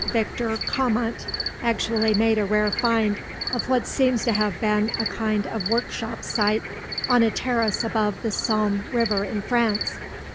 Victor Commont actually made a rare find of what seems to have been a kind of workshop site, on a terrace above the Somme river in France.